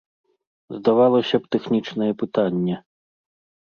Здавалася б, тэхнічнае пытанне.